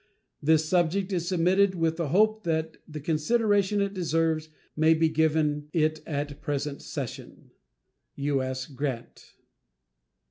This subject is submitted with the hope that the consideration it deserves may be given it at the present session. U.S. GRANT.